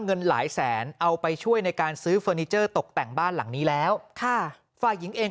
เงินหลายแสนเอาไปช่วยในการซื้อเฟอร์นิเจอร์ตกแต่งบ้านหลังนี้แล้วค่ะฝ่ายหญิงเอง